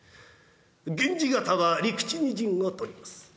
源氏方は陸地に陣を取ります。